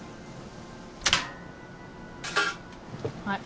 はい。